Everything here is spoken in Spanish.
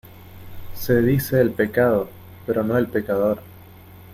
Se dice el pecado, pero no el pecador.